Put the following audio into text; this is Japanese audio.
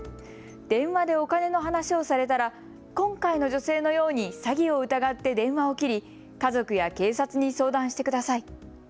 電話でお金の話をされたら今回の女性のように詐欺を疑って電話を切り家族や警察に相談してください。